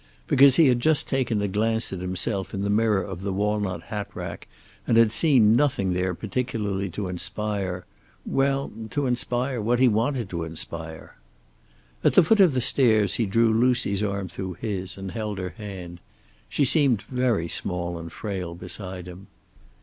Because he had just taken a glance at himself in the mirror of the walnut hat rack, and had seen nothing there particularly to inspire well, to inspire what he wanted to inspire. At the foot of the stairs he drew Lucy's arm through his, and held her hand. She seemed very small and frail beside him.